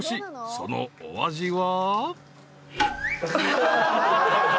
そのお味は］